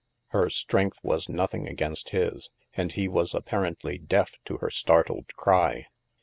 Her strength was nothing against his, and he was ap ' parently deaf to her startled cry.